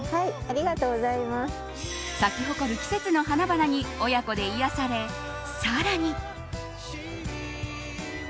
咲き誇る季節の花々に親子で癒やされ、更に。